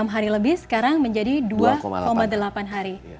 enam hari lebih sekarang menjadi dua delapan hari